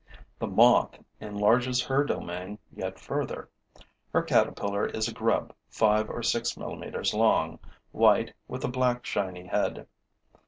The moth enlarges her domain yet further. Her caterpillar is a grub five or six millimeters long, white, with a black shiny head.